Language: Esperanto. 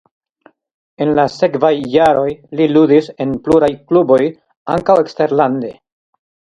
En la sekvaj jaroj li ludis en pluraj kluboj ankaŭ eksterlande.